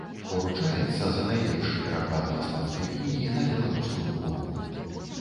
Уручаецца за найлепшы пераклад мастацкай кнігі на беларускую мову.